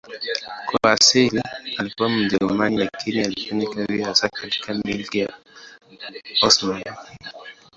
Kwa asili alikuwa Mjerumani lakini alifanya kazi hasa katika Milki ya Osmani.